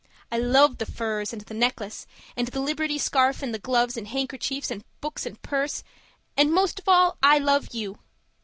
I love the furs and the necklace and the Liberty scarf and the gloves and handkerchiefs and books and purse and most of all I love you!